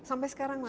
sampai sekarang masih